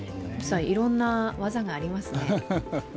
いろんな技がありますね。